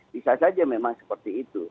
bisa saja memang seperti itu